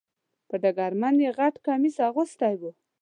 په ډګرمن یې غټ کمیس اغوستی و .